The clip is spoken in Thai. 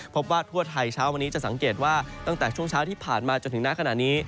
พบว่าทั่วไทยเช้าวันนี้จะสังเกตว่าตั้งแต่ช่วงเช้าที่ผ่านมาจนถึงหน้าขณะนี้